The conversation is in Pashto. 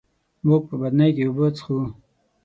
موږ په بدنۍ کي اوبه څښو.